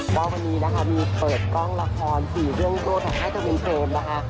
วันนี้นะคะมีเปิดกล้องละคร๔เรื่องโจทย์แห่งให้จะเป็นเพลงนะคะ